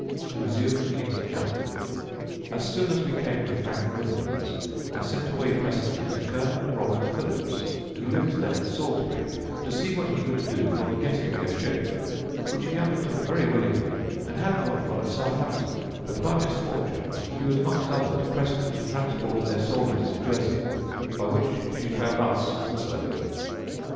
To resume the King's account: "As soon as we came to Frank Windham's I sent away presently to Colonel Robert Philips [Phelips], who lived then at Salisbury, to see what he could do for the getting me a ship; which he undertook very willingly, and had got one at Southampton, but by misfortune she was amongst others prest to transport their soldiers to Jersey, by which she failed us also.